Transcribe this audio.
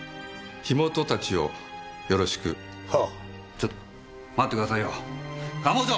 ちょっと待ってくださいよ官房長！